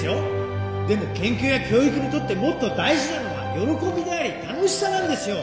でも研究や教育にとってもっと大事なのは喜びであり楽しさなんですよ！